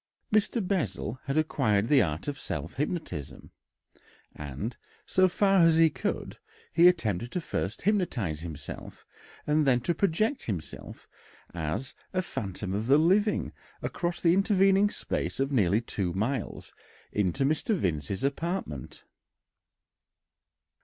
Mr. Bessel had acquired the art of self hypnotism, and, so far as he could, he attempted first to hypnotise himself and then to project himself as a "phantom of the living" across the intervening space of nearly two miles into Mr. Vincey's apartment.